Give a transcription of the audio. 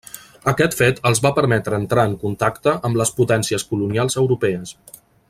Aquest fet els va permetre entrar en contacte amb les potències colonials europees.